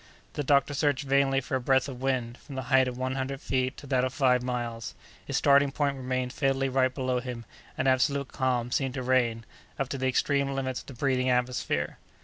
The doctor searched vainly for a breath of wind, from the height of one hundred feet to that of five miles; his starting point remained fatally right below him, and absolute calm seemed to reign, up to the extreme limits of the breathing atmosphere.